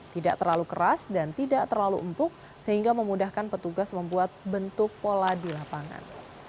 tidak terlalu keras dan tidak terlalu empuk sehingga memudahkan petugas membuat bentuk pola di lapangan